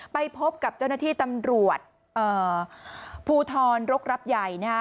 ไปพบกับเจ้าหน้าที่ตำรวจภูทรรกรับใหญ่นะฮะ